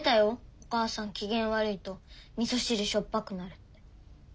お母さん機嫌悪いとみそ汁しょっぱくなるって。